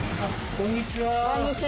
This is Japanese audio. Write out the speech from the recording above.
こんにちは。